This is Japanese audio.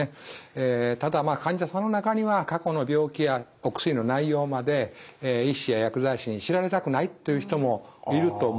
ただ患者さんの中には過去の病気やお薬の内容まで医師や薬剤師に知られたくないという人もいると思います。